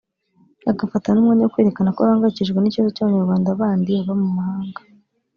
agafata n’umwanya wo kwerekana ko ahangayikishijwe n’ikibazo cy’Abanyarwanda bandi baba mu mahanga